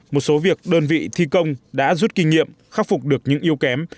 một số việc đơn vị thi công đã rút kinh nghiệm khắc phục được những yêu kém